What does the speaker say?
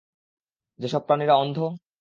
যেসব প্রাণীরা অন্ধ?